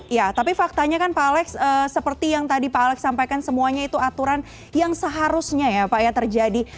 ya tapi faktanya kan pak alex seperti yang tadi pak alex sampaikan semuanya itu aturan yang seharusnya ya pak ya terjadi